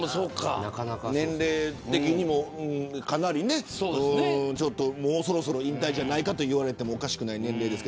年齢的にも、かなりもうそろそろ引退じゃないかと言われておかしくない年齢です。